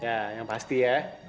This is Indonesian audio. ya yang pasti ya